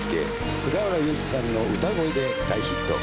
菅原洋一さんの歌声で大ヒット。